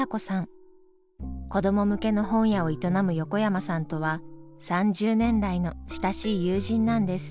子ども向けの本屋を営む横山さんとは３０年来の親しい友人なんです。